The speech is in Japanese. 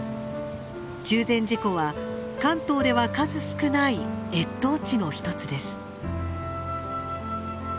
中禅寺湖は関東では数少ない越冬地の一つです。